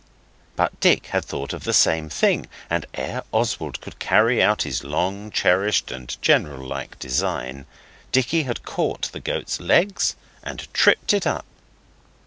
But Dick had thought of the same thing, and ere Oswald could carry out his long cherished and general like design, Dicky had caught the goat's legs and tripped it up.